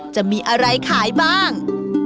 จะมีอะไรขายบ้าง